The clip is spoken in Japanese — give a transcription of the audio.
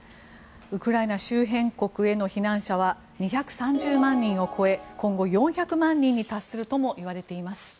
ウクライナ周辺国への避難者は２３０万人を超え今後、４００万人に達するともいわれています。